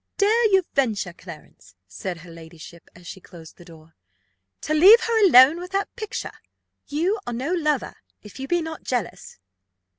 "Dare you venture, Clarence," said her ladyship, as she closed the door, "to leave her alone with that picture? You are no lover, if you be not jealous."